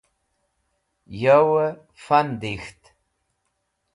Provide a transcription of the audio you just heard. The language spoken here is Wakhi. yow fan dik̃ht